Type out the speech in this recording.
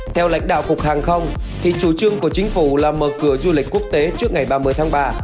theo lãnh đạo cục hàng không thì chủ trương của chính phủ là mở cửa du lịch quốc tế trước ngày ba mươi tháng ba